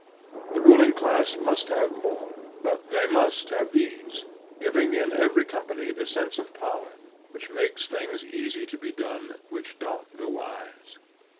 The ruling class must have more, but they must have these, giving in every company the sense of power, which makes things easy to be done which daunt the wise.